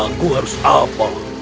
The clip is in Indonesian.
aku harus apa